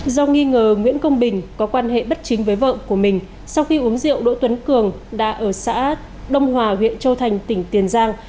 do nghi ngờ nguyễn công bình có quan hệ bất chính với vợ của mình sau khi uống rượu đỗ tuấn cường đã ở xã đông hòa huyện châu thành tỉnh tiền giang